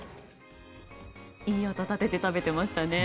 いい音立てて食べてましたね。